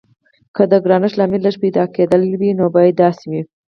که د ګرانښت لامل لږ پیدا کیدل وي نو باید داسې وي.